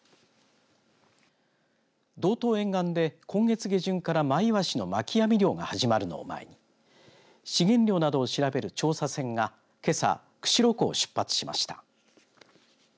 道東沿岸で、今月下旬からマイワシの巻き網漁が始まるのを前に資源量などを調べる調査船がけさ、釧路港を出発しました。